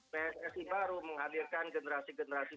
pssi baru menghadirkan generasi generasi